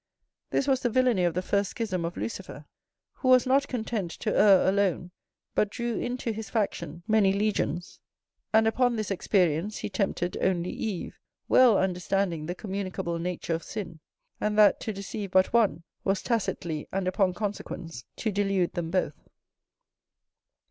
This was the villany of the first schism of Lucifer; who was not content to err alone, but drew into his faction many legions; and upon this experience he tempted only Eve, well understanding the communicable nature of sin, and that to deceive but one was tacitly and upon consequence to delude them both.